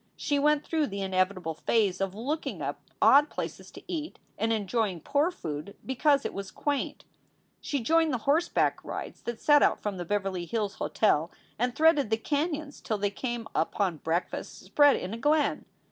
She went through the inevitable phase of looking up odd places to eat and enjoying poor food because it was quaint. She joined the horseback rides that set out from the Beverly Hills Hotel and threaded the canons till they came upon breakfast spread in a glen.